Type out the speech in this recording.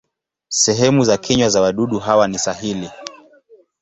Sehemu za kinywa za wadudu hawa ni sahili.